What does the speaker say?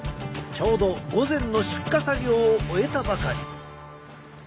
ちょうど午前の出荷作業を終えたばかり。